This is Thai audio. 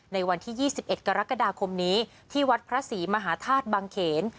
ในวันที่๒๑กรกฎาคมนี้ที่วัดพระศรีมหาธาตุบังเขน